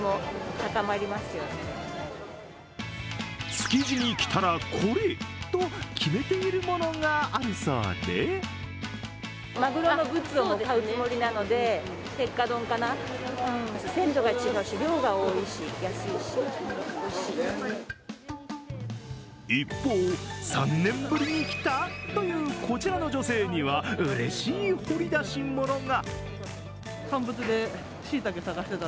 築地に来たらこれと決めているものがあるそうで一方、３年ぶりに来たというこちらの女性には、うれしい掘り出し物が。